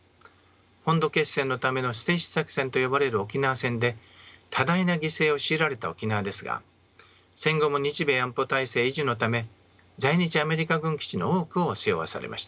本土決戦のための捨て石作戦と呼ばれる沖縄戦で多大な犠牲を強いられた沖縄ですが戦後も日米安保体制維持のため在日アメリカ軍基地の多くを背負わされました。